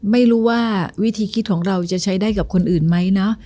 ไม่รู้ว่าวิธีคิดของเราจะใช้ได้กับคนอื่นไหมเนาะ